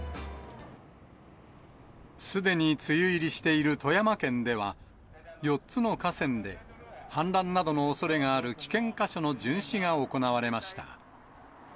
すでに梅雨入りしている富山県では、４つの河川で、氾濫などのおそれがある危険箇所の巡視が行われました。